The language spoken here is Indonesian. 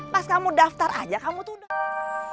pas kamu daftar aja kamu tuh udah